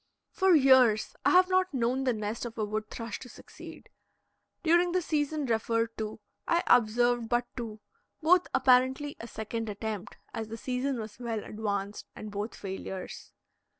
For years I have not known the nest of a wood thrush to succeed. During the season referred to I observed but two, both apparently a second attempt, as the season was well advanced, and both failures.